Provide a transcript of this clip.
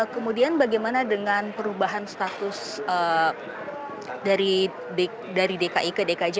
kemudian bagaimana dengan perubahan status dari dki ke dkj